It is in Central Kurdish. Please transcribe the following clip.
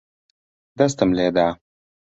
دەستم لێ دا.